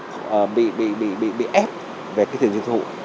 cái ép về cái tiền tiêu thụ